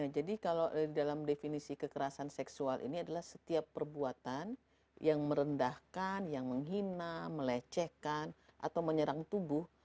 jadi kalau dalam definisi kekerasan seksual ini adalah setiap perbuatan yang merendahkan yang menghina melecehkan atau menyerang tubuh